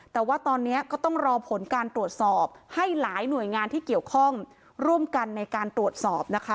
แต่ว่าตอนนี้ก็ต้องรอผลการตรวจสอบให้หลายหน่วยงานที่เกี่ยวข้องร่วมกันในการตรวจสอบนะคะ